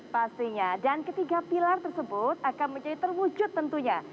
pastinya dan ketiga pilar tersebut akan menjadi terwujud tentunya